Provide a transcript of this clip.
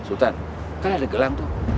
sultan kan ada gelang tuh